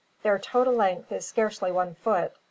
"Their total length is scarcely one foot.